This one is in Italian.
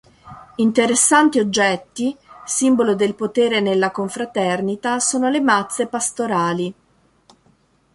Interessanti oggetti, simbolo del potere nella confraternita, sono le mazze pastorali.